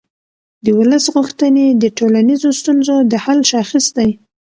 د ولس غوښتنې د ټولنیزو ستونزو د حل شاخص دی